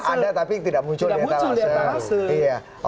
ada tapi tidak muncul di atas